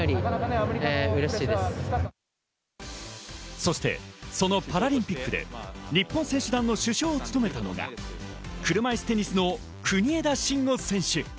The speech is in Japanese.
そして、そのパラリンピックで日本選手団の主将を務めたのが、車いすテニスの国枝慎吾選手。